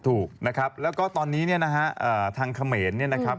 ถูกนะครับแล้วก็ตอนนี้เนี่ยนะฮะทางเขมรเนี่ยนะครับ